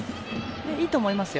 いいと思います。